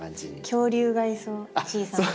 恐竜がいそう小さな。